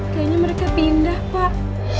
kayaknya mereka pindah pak